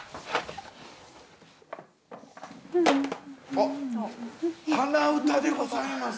あっはな歌でございます。